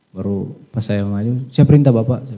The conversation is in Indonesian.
baru pas saya maju saya perintah bapak